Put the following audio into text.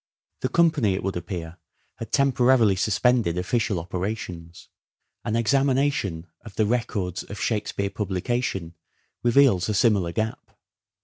The company, it would appear, had temporarily suspended official operations. An examination of the records of " Shakespeare " publica tion reveals a similar gap.